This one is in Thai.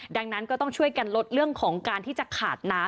ดังนั้นก็ต้องช่วยกันลดเรื่องของการที่จะขาดน้ำ